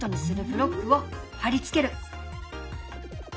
ブロックを貼り付ける。